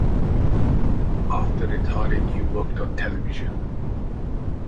After retiring, he worked on television.